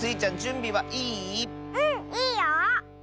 うんいいよ！